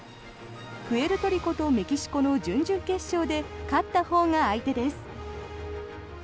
プエルトリコとメキシコの準々決勝で勝ったほうが相手です。